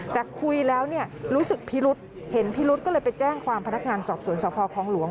แต่คุยแล้วเนี่ยรู้สึกพิรุษเห็นพิรุษก็เลยไปแจ้งความพนักงานสอบสวนสพคลองหลวง